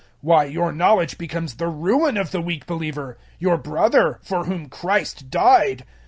008:011 Why, your knowledge becomes the ruin of the weak believer your brother, for whom Christ died!